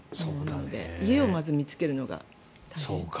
家をまず見つけるのが大変。